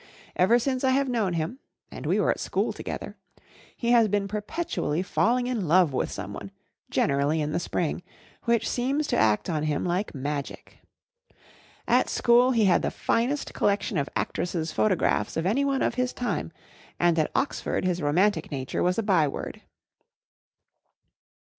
Ever since I have known him—and we were at school together—he has been perpetually falling in love with someone, generally in the spring, which seems to act on him like magic. At school he had the finest collection of actresses' photographs of anyone of his time; and at Oxford his romantic nature was a byword.